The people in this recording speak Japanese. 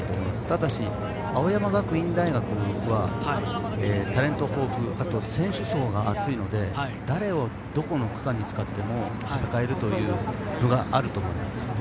ただし、青山学院大学はタレント豊富であとは選手層が厚いので誰をどこの区間に使っても戦えるという分があると思います。